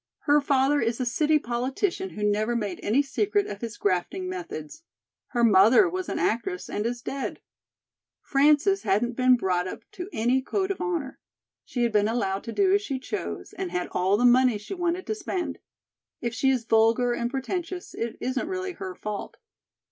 Her father is a city politician who never made any secret of his grafting methods. Her mother was an actress and is dead. Frances hadn't been brought up to any code of honor. She had been allowed to do as she chose, and had all the money she wanted to spend. If she is vulgar and pretentious, it isn't really her fault.